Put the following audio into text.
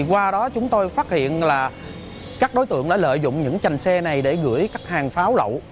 qua đó chúng tôi phát hiện là các đối tượng đã lợi dụng những trành xe này để gửi các hàng pháo lậu